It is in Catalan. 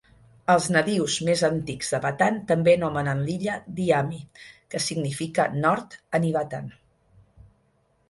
Els nadius més antics de Batan també anomenen l'illa Dihami, que significa "nord" en ivatan.